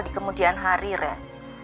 di kemudian hari ren